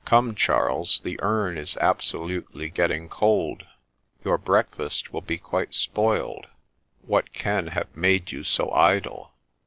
' Come, Charles, the urn is absolutely getting cold ; your breakfast will be quite spoiled : what can have made you so idle